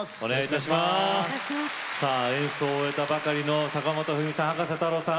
演奏を終えたばかりの坂本冬美さん、葉加瀬太郎さん